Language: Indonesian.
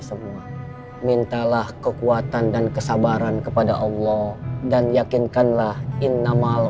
semua mintalah kekuatan dan kesabaran kepada allah dan yakinkanlah inamal